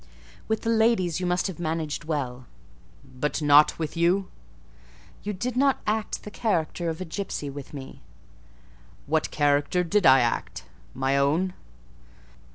"With the ladies you must have managed well." "But not with you?" "You did not act the character of a gipsy with me." "What character did I act? My own?"